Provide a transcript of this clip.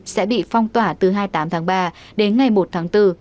sẽ bị phong tỏa từ hai mươi tám tháng ba đến ngày một tháng bốn